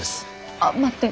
ああ待って。